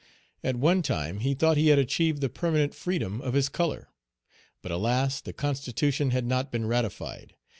At one time, he thought he had achieved the permanent freedom of his color. But, alas! the constitution had not been ratified.